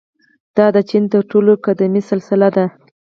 • دا د چین تر ټولو قدیمي سلسله ده.